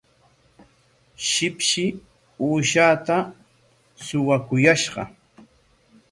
Shipshi uushaata suwakuyashqa.